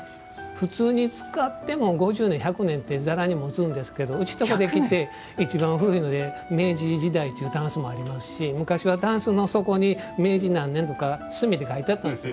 普通に使っても５０年１００年ってざらにもつんですけどうちんとこで来ていちばん古いので明治時代というたんすもありますし昔はたんすの底に明治何年とかすみで書いてあったんです。